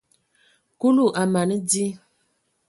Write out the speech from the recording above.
Kulu a mana di.